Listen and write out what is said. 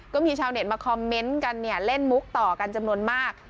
ก็มีชาวเน็ตมาคอมเมนต์กันเนี่ยเล่นมุกต่อกันจำนวนมาก